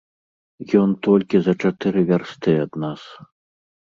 Ён толькі за чатыры вярсты ад нас.